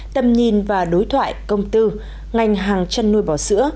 tầm nhìn và đối thoại công tư ngành hàng chăn nuôi bò sữa